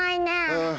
うん。